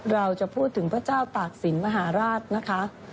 เราจะพูดถึงพระเจ้าตากศิลป์มหาราชนะคะ